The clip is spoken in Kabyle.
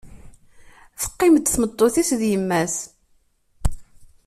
Teqqim-d tmeṭṭut-is d yemma-s.